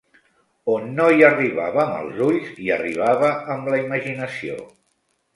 On no hi arribava amb els ulls, hi arribava amb la imaginació